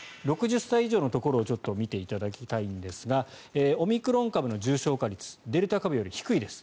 ６０歳以上のところを見ていただきたいんですがオミクロン株の重症化率デルタ株より低いです。